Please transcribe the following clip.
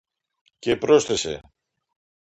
Και πρόσθεσε: